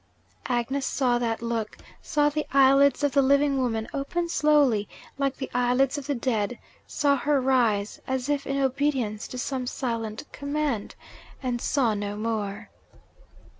Agnes saw that look; saw the eyelids of the living woman open slowly like the eyelids of the dead; saw her rise, as if in obedience to some silent command and saw no more.